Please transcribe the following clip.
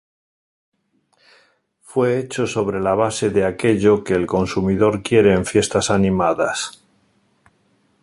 Fue hecho sobre la base de aquello que el consumidor quiere en fiestas animadas.